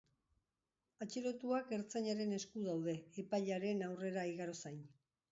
Atxilotuak ertzainaren esku daude, epailearen aurrera igaro zain.